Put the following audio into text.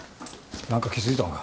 何か気付いたのか？